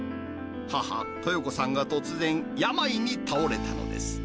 母、豊子さんが突然、病に倒れたのです。